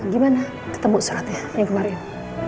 gimana ketemu saatnya yang kemarin